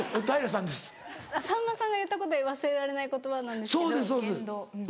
さんまさんが言ったことで忘れられない言葉なんですけど。